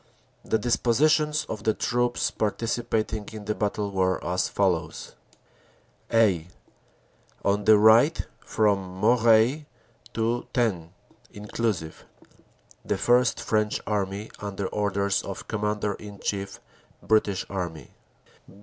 The dispositions of the troops participating in the battle were as follows : "(a) On the right from Moreuil to Thennes (inclusive) The First French Army under orders of Com mander in Chief, British Army.